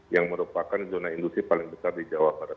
yang merupakan zona industri paling besar di jawa barat